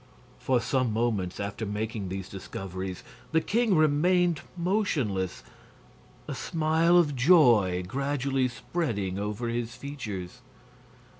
For some moments after making these discoveries the king remained motionless, a smile of joy gradually spreading over his features.